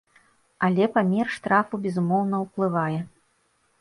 Але памер штрафу, безумоўна, уплывае.